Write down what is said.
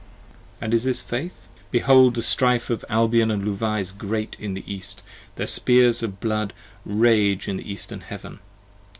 55 And is this Faith? Behold the strife of Albion & Luvah Is great in the east, their spears of blood rage in the eastern heaven.